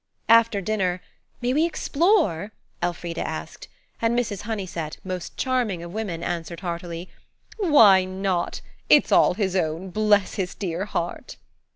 After dinner, "May we explore?" Elfrida asked, and Mrs. Honeysett, most charming of women, answered heartily– "Why not? It's all his own, bless his dear heart."